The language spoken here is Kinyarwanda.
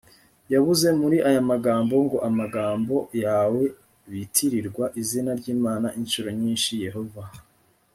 yab uze muri aya magambo ngo amagambo yawe bitirirwa izina ry imana incuro nyinshi yehova